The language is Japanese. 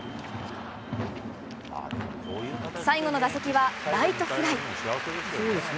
最後の打席はライトフライ。